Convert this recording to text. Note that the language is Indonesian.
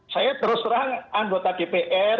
saya terus terang anggota dpr